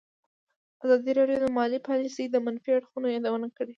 ازادي راډیو د مالي پالیسي د منفي اړخونو یادونه کړې.